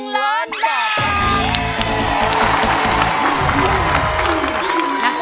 ๑ล้านบาท